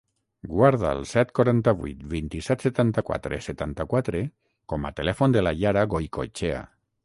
Guarda el set, quaranta-vuit, vint-i-set, setanta-quatre, setanta-quatre com a telèfon de la Yara Goicoechea.